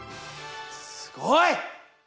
すごい！